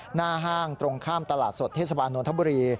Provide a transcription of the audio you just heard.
หน้าห้างตรงข้ามตลาดสดเทศบาลนทบุรี